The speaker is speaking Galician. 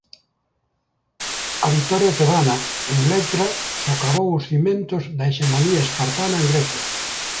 A vitoria tebana en Leuctra socavou os cimentos da hexemonía espartana en Grecia.